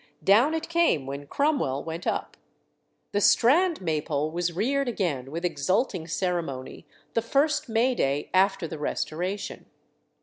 Down it came when Cromwell went up. The Strand Maypole was reared again with exulting ceremony the first May day after the Restoration.